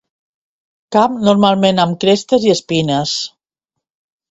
Cap normalment amb crestes i espines.